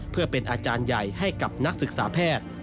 เพื่อเป็นอาจารย์ใหญ่ให้กับนักศึกษาแพทย์